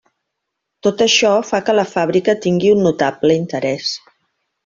Tot això fa que la fàbrica tingui un notable interès.